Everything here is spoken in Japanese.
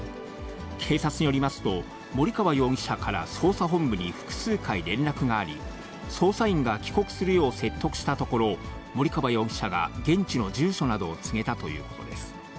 警察によりますと、森川容疑者から捜査本部に複数回連絡があり、捜査員が帰国するよう説得したところ、森川容疑者が現地の住所などを告げたということです。